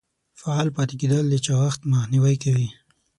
فعال پاتې کیدل د چاغښت مخنیوی کوي.